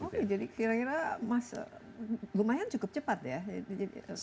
oke jadi kira kira lumayan cukup cepat ya